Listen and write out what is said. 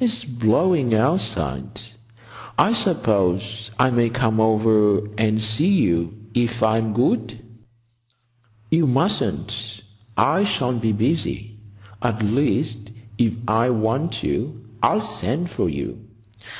"It's blowing outside. I suppose I may come over and see you if I'm good?" "You mustn't. I shall be busy. At least, if I want you I'll send for you.